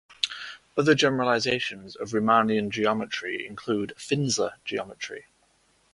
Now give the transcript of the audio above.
Other generalizations of Riemannian geometry include Finsler geometry.